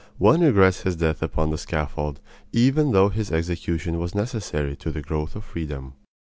One regrets his death upon the scaffold, even though his execution was necessary to the growth of freedom.